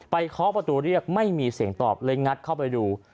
เคาะประตูเรียกไม่มีเสียงตอบเลยงัดเข้าไปดู